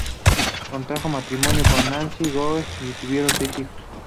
Contrajo matrimonio con Nancy Gore y tuvieron seis hijos.